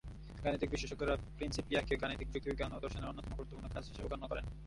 গাণিতিক বিশেষজ্ঞরা "প্রিন্সিপিয়া"-কে গাণিতিক যুক্তিবিজ্ঞান ও দর্শনের অন্যতম গুরুত্বপূর্ণ কাজ হিসেবে গণ্য করেন।